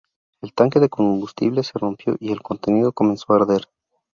El tanque de combustible se rompió y el contenido comenzó a arder.